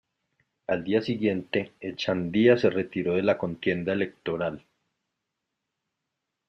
Al día siguiente Echandía se retiró de la contienda electoral.